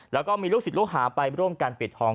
แล้วก็มีลูกศิษย์ลูกหาไปร่วมกันปิดทอง